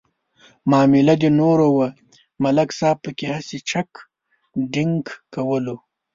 معامله د نور وه ملک صاحب پکې هسې چک ډینک کولو.